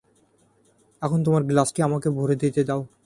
এখন, তোমার গ্লাসটি আমাকে ভরে দিতে দাও।